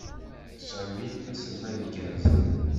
Sami d aselmad iggerzen.